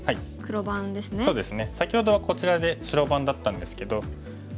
先ほどはこちらで白番だったんですけど。